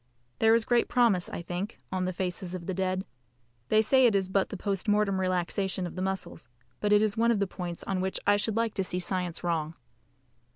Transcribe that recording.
There is great promise, I think, on the faces of the dead. They say it is but the post mortem relaxation of the muscles, but it is one of the points on which I should like to see science wrong.